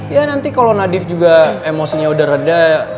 ya nanti kalau nadif juga emosinya udah reda